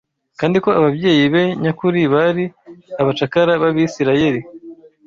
kandi ko ababyeyi be nyakuri bari abacakara b’Abisirayeli